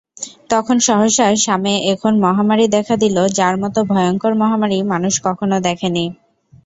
তখন সহসা শামে এমন মহামারী দেখা দিল যার মত ভয়ংকর মহামারী মানুষ কখনো দেখেনি।